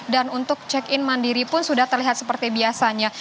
dan untuk check in mandiri pun sudah terlihat seperti biasanya